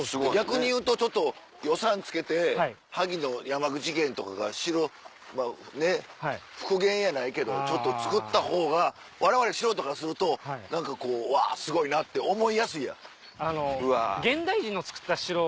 逆にいうとちょっと予算つけて萩の山口県とかが城ねっ復元やないけどちょっと造った方がわれわれ素人からすると何かこうわすごいなって思いやすいやん。